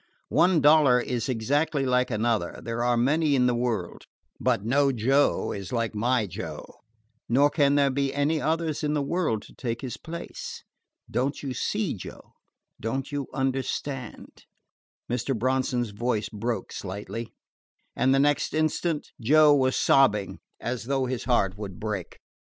One dollar is exactly like another there are many in the world: but no Joe is like my Joe, nor can there be any others in the world to take his place. Don't you see, Joe? Don't you understand?" Mr. Bronson's voice broke slightly, and the next instant Joe was sobbing as though his heart would break.